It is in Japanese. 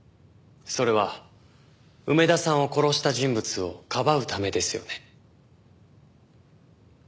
それは梅田さんを殺した人物をかばうためですよね？